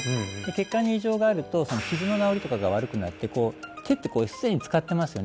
血管に異常があると傷の治りとかが悪くなってこう手ってこう常に使ってますよね？